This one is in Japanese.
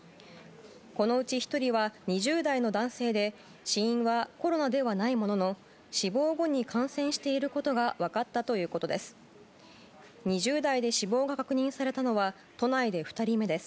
このうち１人は２０代の男性で死因はコロナではないものの死亡後に感染していることが分かったということです。